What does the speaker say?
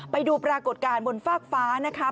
ไปดูปรากฏการณ์บนฟากฟ้านะคะ